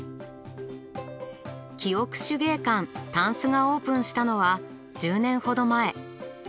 ｋｉｏｋｕ手芸館「たんす」がオープンしたのは１０年ほど前。